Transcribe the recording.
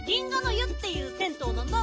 湯っていう銭湯なんだ。